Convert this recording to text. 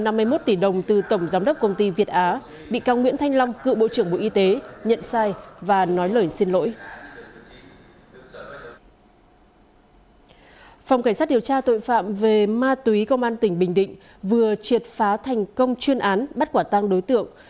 ma túy công an tỉnh bình định vừa triệt phá thành công chuyên án bắt quả tăng đối tượng